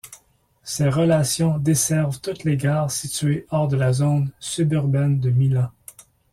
Ces relations desservent toutes les gares situées hors de la zone suburbaine de Milan.